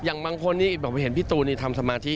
อย่างบางคนผมเห็นพี่ตูนี่ทำสมาธิ